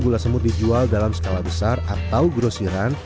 gula semut dijual dalam skala besar atau grosiran